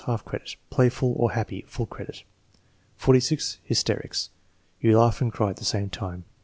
(Half credit.) "Playful" or "happy." (Full credit.) 46. Hysterics. "You laugh and cry at the same time."